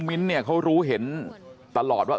มิ้นเขารู้เห็นตลอดว่า